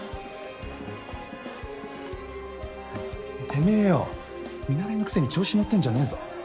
てめぇよ見習いのくせに調子乗ってんじゃねぇぞ。